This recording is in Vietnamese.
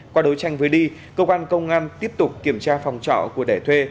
qua đối tranh với đi công an công an tiếp tục kiểm tra phòng trọ của đẻ thuê